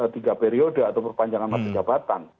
tiga periode atau perpanjangan masa jabatan